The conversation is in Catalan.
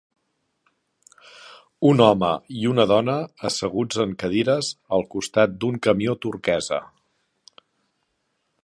Un home i una dona asseguts en cadires al costat d'un camió turquesa.